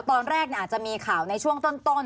ตอนแรกอาจจะมีข่าวในช่วงต้น